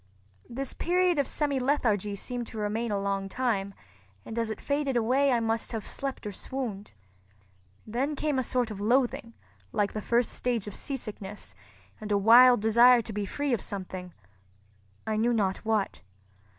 This period of semilethargy seemed to remain a long time, and as it faded away I must have slept or swooned. Then came a sort of loathing, like the first stage of seasickness, and a wild desire to be free of something—I knew not what.